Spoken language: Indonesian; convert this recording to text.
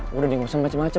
lo udah di ngusim macem macem